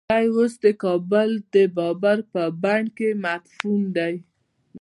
دی اوس د کابل د بابر په بڼ کې مدفون دی.